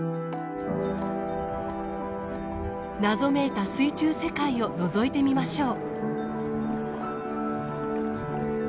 謎めいた水中世界をのぞいてみましょう。